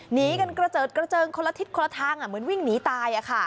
หนีกันกระเจิดกระเจิงคนละทิศคนละทางเหมือนวิ่งหนีตาย